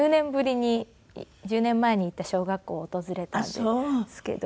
１０年前に行った小学校を訪れたんですけど。